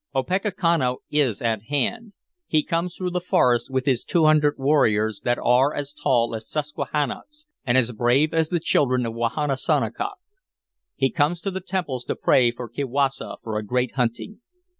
Opechancanough is at hand; he comes through the forest with his two hundred warriors that are as tall as Susquehannocks, and as brave as the children of Wahunsonacock. He comes to the temples to pray to Kiwassa for a great hunting.